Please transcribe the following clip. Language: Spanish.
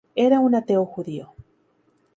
Era un ateo judío.